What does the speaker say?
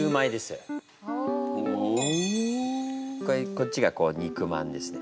こっちが肉まんですね。